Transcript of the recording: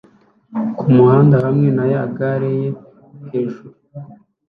kumuhanda hamwe na ya gare ye hejuru